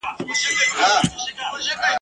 آیا ملاله د یوه شپانه لور وه؟